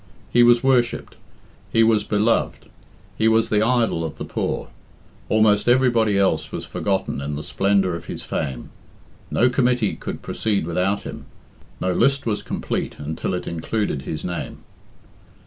He was worshipped, he was beloved, he was the idol of the poor, almost everybody else was forgotten in the splendour of his fame; no committee could proceed without him; no list was complete until it included his name.